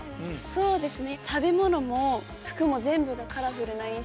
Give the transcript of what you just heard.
そうですね。